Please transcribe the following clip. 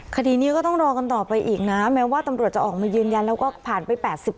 คดีนี้ก็ต้องรอกันต่อไปอีกนะแม้ว่าตำรวจจะออกมายืนยันแล้วก็ผ่านไป๘๐